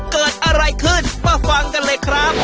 เกิดอะไรขึ้นมาฟังกันเลยครับ